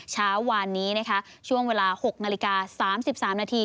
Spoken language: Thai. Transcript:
เช้าวานนี้นะคะช่วงเวลา๖นาฬิกา๓๓นาที